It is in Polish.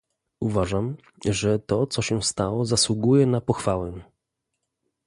Uważam, że to co się stało zasługuje na pochwałę